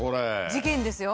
事件ですよ。